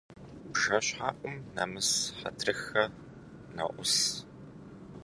БжэщхьэӀум нэмыс хьэдрыхэ ноӀус.